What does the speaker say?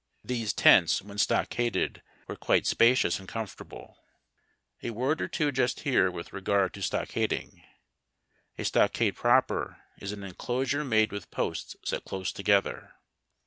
These tents when stockaded were quite spacious and comfortable. A word or two just here with regard to stockading. A stockade proper is an enclosure made with posts set close together.